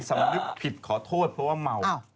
สำนึกผิดขอโทษเพราะว่าเมา